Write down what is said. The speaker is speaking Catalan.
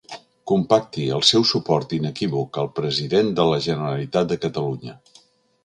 Compacti el seu suport inequívoc al president de la Generalitat de Catalunya.